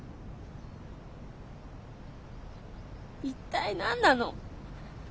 一体何なの！